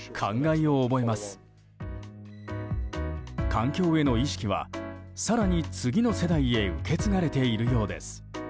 環境への意識は更に次の世代へ受け継がれているようです。